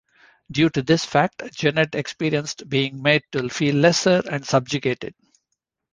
Due to this fact, Janet experienced being made to feel lesser and subjugated.